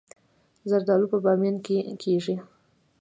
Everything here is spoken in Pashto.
زردالو په بامیان کې کیږي